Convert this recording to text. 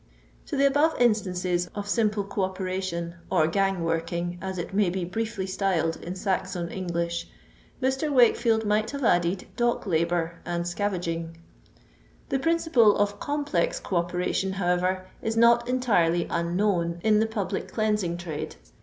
To the above instances of simple co operation, or gang working, as it may bo briefly styled in Saxon English, Mr. Wakefield might have added dock labour and scavaging. The principle of complex co operation, however, is not entirely unknown in the public cleansing trade.